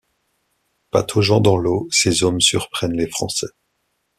Pataugeant dans l'eau, ses hommes surprennent les Français.